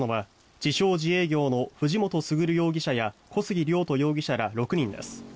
・自営業の藤本傑容疑者や小杉瞭斗容疑者ら６人です。